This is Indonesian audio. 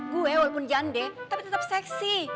gue walaupun janda tapi tetep seksi